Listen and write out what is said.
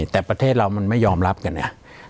แต่ประเทศเรามันไม่ยอมรับกันนะ